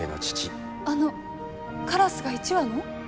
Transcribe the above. あの「カラスが１羽」の？